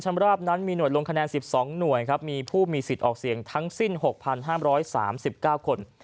ราบนั้นมีหน่วยลงคะแนน๑๒หน่วยครับมีผู้มีสิทธิ์ออกเสียงทั้งสิ้น๖๕๓๙คน